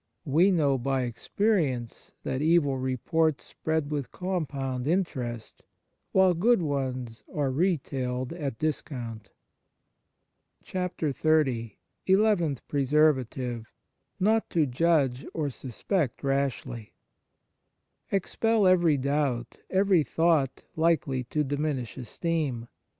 We know by experience that evil reports spread with com pound interest, while good ones are retailed at discount 70 XXX ELEVENTH PRESERVATIVE Not to judge or suspect rashly EXPEL every doubt, every thought, likely to diminish esteem.